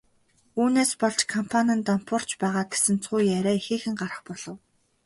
Үүнээс болж компани нь дампуурч байгаа гэсэн цуу яриа ихээхэн гарах болов.